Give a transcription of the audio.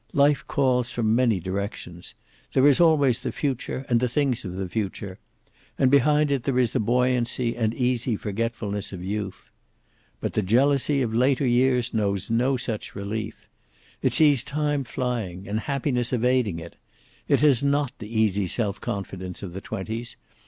Life calls from many directions. There is always the future, and the things of the future. And behind it there is the buoyancy and easy forgetfulness of youth. But the jealousy of later years knows no such relief. It sees time flying and happiness evading it. It has not the easy self confidence of the twenties.